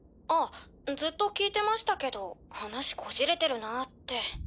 あっずっと聞いてましたけど話こじれてるなって